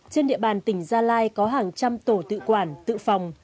trên địa bàn tỉnh gia lai có hàng trăm tổ tự quản tự phòng